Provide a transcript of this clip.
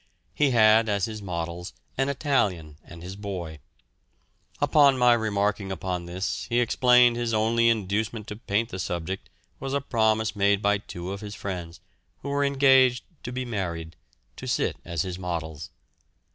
He had as his models an Italian and his boy. Upon my remarking upon this, he explained his only inducement to paint the subject was a promise made by two of his friends, who were engaged to be married, to sit as his models.